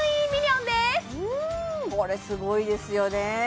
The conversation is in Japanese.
これすごいですよね